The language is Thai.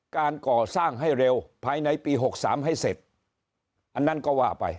การก่อสร้างให้เร็วภายในปี๖๓ให้เสร็จอันนั้นก็ว่าไป